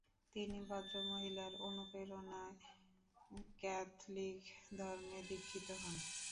তিনি ভদ্রমহিলার অনুপ্রেরণায় ক্যাথলিক ধর্মে দীক্ষিত হন।